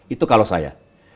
itu kalau saya